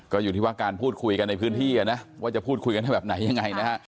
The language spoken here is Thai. ก็อยู่ที่ว่าการพูดคุยกันในพื้นที่นะว่าจะพูดคุยกันให้แบบไหนยังไงนะฮะ